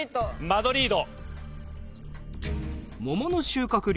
マドリード。